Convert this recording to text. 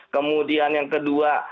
kemudian yang kedua